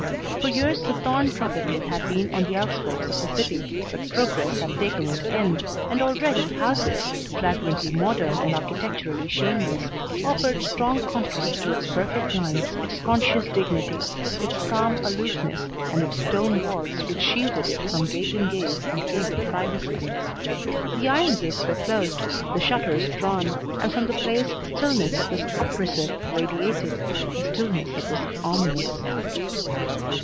For years the Thorne property had been on the outskirts of the city, but progress had taken it in, and already houses, flagrantly modern and architecturally shameless, offered strong contrast to its perfect lines, its conscious dignity, its calm aloofness, and its stone walls which shielded it from gaping gaze and gave it privacy. The iron gates were closed, the shutters drawn, and from the place stillness that was oppressive radiated, a stillness that was ominous.